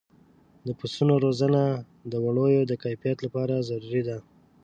د پسونو روزنه د وړیو د کیفیت لپاره ضروري ده.